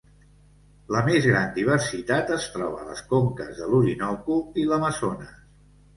La més gran diversitat es troba a les conques de l'Orinoco i l'Amazones.